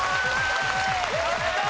やったー！